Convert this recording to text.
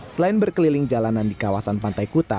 selain berkeliling jalanan di kawasan pantai kuta